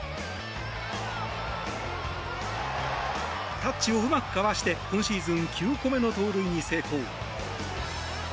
タッチをうまくかわして今シーズン９個目の盗塁に成功。